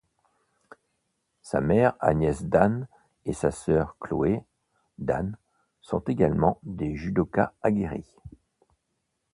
Sa mère Agnès Dan et sa sœur Chloé, Dan sont également des judoka aguerries.